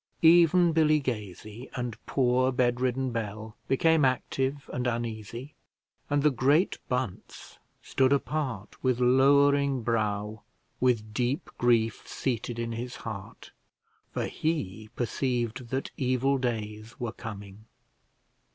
Even Billy Gazy and poor bed ridden Bell became active and uneasy, and the great Bunce stood apart with lowering brow, with deep grief seated in his heart, for he perceived that evil days were coming.